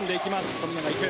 富永、行く。